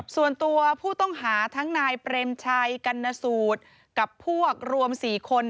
ส่วนตัวผู้ต้องหาทั้งนายเปรมชัยกัณสูตรกับพวกรวม๔คน